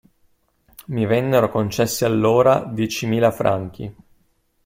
Mi vennero concessi allora diecimila franchi.